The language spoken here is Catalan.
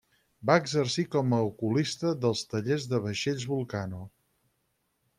Va Exercir com a oculista dels Tallers de vaixells Vulcano.